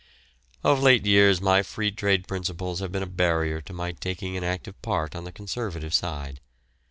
Of late years my Free Trade principles have been a barrier to my taking an active part on the Conservative side.